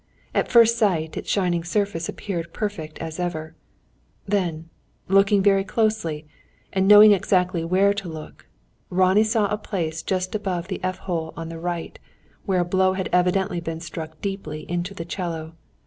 At first sight, its shining surface appeared perfect as ever. Then, looking very closely, and knowing exactly where to look, Ronnie saw a place just above the f hole on the right, where a blow had evidently been struck deeply into the 'cello.